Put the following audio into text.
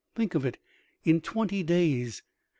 Think of it— in twenty days!